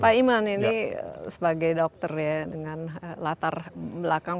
pak iman ini sebagai dokter ya dengan latar belakang